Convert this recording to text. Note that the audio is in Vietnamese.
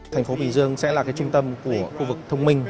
thành phố bình dương sẽ là trung tâm của khu vực thông minh